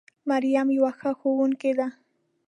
مريم يوه ښه ښوونکې ده